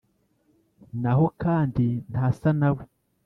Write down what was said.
n’aho kandi ntasa na we,